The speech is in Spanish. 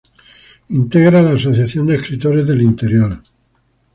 Integra la Asociación de Escritores del Interior.